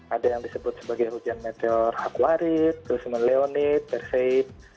ada yang disebut sebagai hujan meteor akwarit leonit perseit